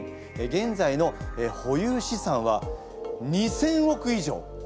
げんざいの保有資産は２，０００億以上。